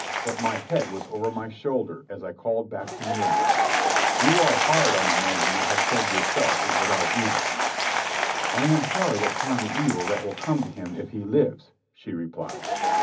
But my head was over my shoulder as I called back to Miriam: "You are hard on a man you have said yourself is without evil." "I am hard upon the evil that will come of him if he lives," she replied.